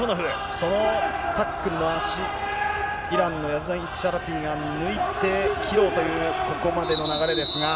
そのタックルの足、イランのヤズダニチャラティが抜いて切ろうというここまでの流れですが。